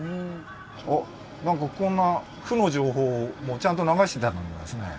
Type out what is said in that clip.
あっ何かこんな負の情報もちゃんと流してたんですね。